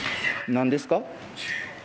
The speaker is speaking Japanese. なんですか？